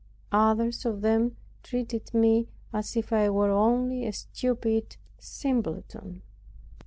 Others of them treated me as if I were only a stupid simpleton.